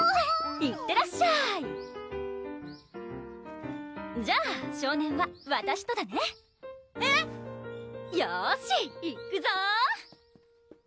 いってらっしゃーいじゃあ少年はわたしとだねえっよーし行くぞー！